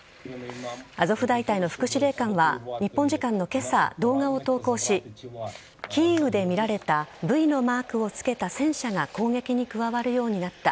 アゾフ大隊の副司令官は日本時間の今朝、動画を投稿しキーウで見られたＶのマークを付けた戦車が攻撃に加わるようになった。